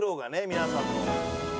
皆さんの。